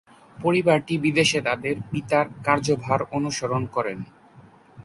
পরিবারটি বিদেশে তাদের পিতার কার্যভার অনুসরণ করেন।